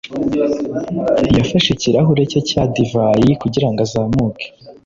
yafashe ikirahure cye cya divayi kugirango azamuke.